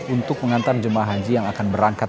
untuk mengantar jemaah haji yang akan berangkat